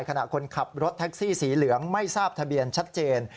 ขณะคนขับรถแท็กซี่สีเหลืองไม่ทราบทะเบียนชัดเจน